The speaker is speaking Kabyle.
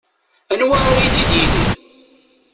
Anwa ara iyi-t-id-yinin?